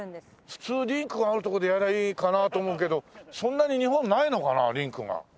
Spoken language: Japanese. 普通リンクがある所でやりゃいいかなと思うけどそんなに日本ないのかなリンクが。